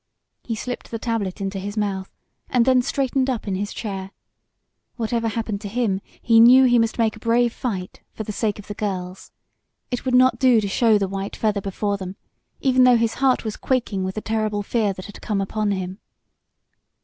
He slipped the tablet into his mouth, and then straightened up in his chair. Whatever happened to him he knew he must make a brave fight for the sake of the girls. It would not do to show the white feather before them, even though his heart was quaking with the terrible fear that had come upon him.